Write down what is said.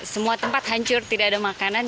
semua tempat hancur tidak ada makanan